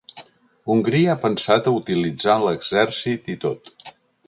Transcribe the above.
Hongria ha pensat a utilitzar l’exèrcit i tot.